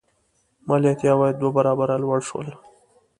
مالیاتي عواید دوه برابره لوړ شول.